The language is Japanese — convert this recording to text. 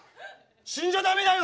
死んじゃダメだよ。